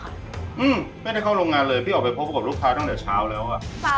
อืมไม่ได้เข้าโรงงานเลยพี่ออกไปพบกับลูกค้าตั้งแต่เช้าแล้วอ่ะ